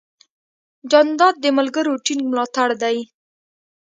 جانداد د ملګرو ټینګ ملاتړ دی.